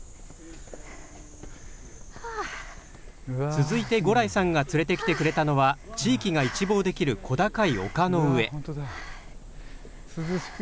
続いて、五耒さんが連れてきてくれたのは地域が一望できる小高い丘の上。